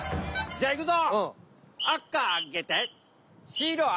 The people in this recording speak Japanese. じゃあいくぞ！